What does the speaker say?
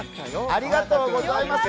ありがとうございます。